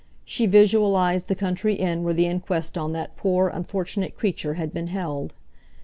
She visualised the country inn where the inquest on that poor, unfortunate creature had been held.